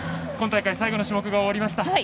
今大会最後の種目が終わりました。